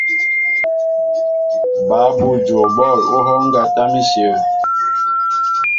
Ba úbi ú juwo bɔ̂l ú hɔ́ɔ́ŋ ŋgá tâm íshyə̂.